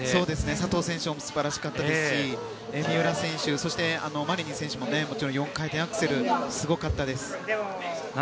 佐藤選手も素晴らしくて三浦選手、そしてマリニン選手も４回転アクセルすごかったです。